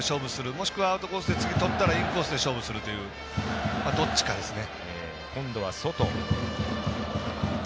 もしくはアウトコースでとったら次、インコースで勝負するどっちかですね。